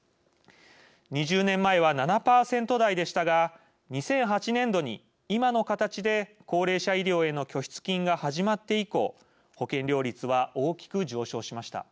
２０年前は７％台でしたが２００８年度に今の形で高齢者医療への拠出金が始まって以降保険料率は大きく上昇しました。